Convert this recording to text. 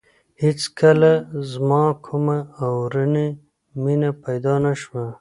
هېڅکله زما کومه اورنۍ مینه پیدا نه شوه.